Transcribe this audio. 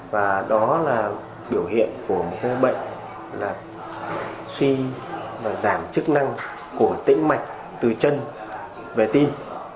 và đó là biểu hiện của một bệnh là suy giảm chức năng của tĩnh mạch từ chân về tim